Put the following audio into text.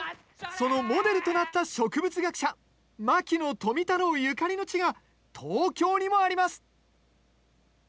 そのモデルとなった植物学者、牧野富太郎ゆかりの地が東京にもあります。